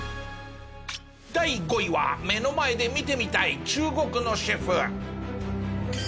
第５位は目の前で見てみたい中国のシェフ。